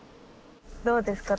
どうですか？